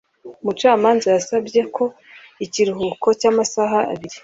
Umucamanza yasabye ko ikiruhuko cy’amasaha abiri.